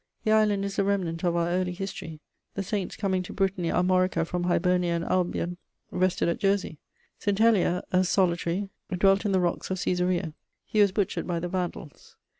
The island is a remnant of our early history: the saints coming to Brittany Armorica from Hibernia and Albion rested at Jersey. St. Hélier, a solitary, dwelt in the rocks of Cæsarea; he was butchered by the Vandals.